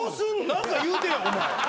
何か言うてやお前。